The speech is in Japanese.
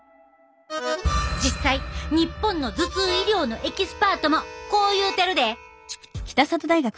実際日本の頭痛医療のエキスパートもこう言うてるで。